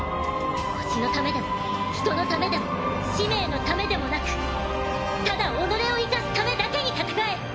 地球のためでも人類のためでも使命のためでもなくただ己を生かすためだけに戦え！